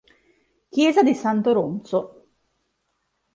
Chiesa di Sant'Oronzo